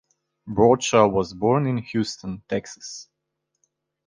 Bradshaw was born in Houston, Texas.